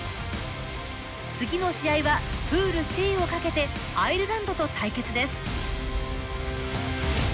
次の試合はプール首位をかけてアイルランドと対決です。